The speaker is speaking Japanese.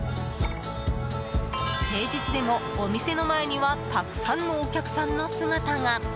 平日でもお店の前にはたくさんのお客さんの姿が。